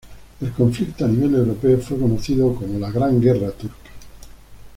El conflicto a nivel europeo fue conocido como la Gran Guerra Turca.